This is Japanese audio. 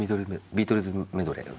『ビートルズメドレー』だ。